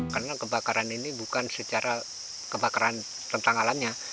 karena kebakaran ini bukan secara kebakaran tentang alamnya